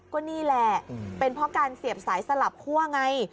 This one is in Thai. ก็นี่แหละเป็นเพราะการเสียบสายสลับคั่วไง